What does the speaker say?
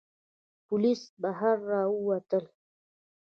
پوليس بهر را ووتل.